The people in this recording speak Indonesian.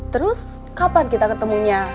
terus kapan kita ketemunya